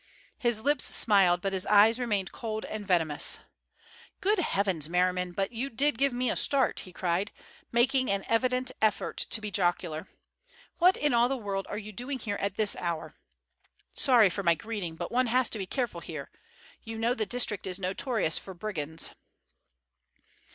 His lips smiled, but his eyes remained cold and venomous. "Good heavens, Merriman, but you did give me a start," he cried, making an evident effort to be jocular. "What in all the world are you doing here at this hour? Sorry for my greeting, but one has to be careful here. You know the district is notorious for brigands."